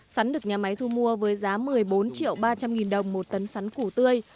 sắn được nhà máy thu mua với giá một mươi bốn triệu ba trăm linh nghìn đồng một tấn sắn củ tươi